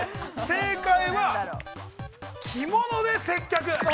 正解は着物で接客。